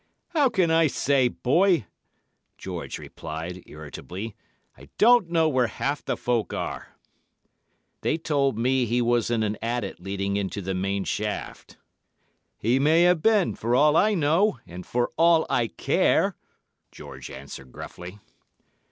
"'How can I say, boy,' George replied, irritably. 'I don't know where half the folk are.' "'They told me he was in an adit leading into the main shaft.' "'He may have been, for all I know—and for all I care,' George answered gruffly.